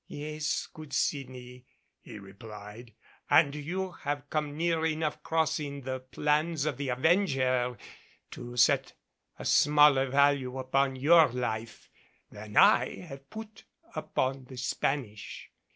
"Yes, good Sydney," he replied, "and you have come near enough crossing the plans of the Avenger to set a smaller value upon your life than I have put upon the Spanish.